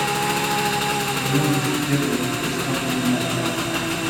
"Rumieniec wstydu wystąpił mi na twarz."